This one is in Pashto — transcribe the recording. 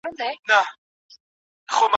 ويرجينيا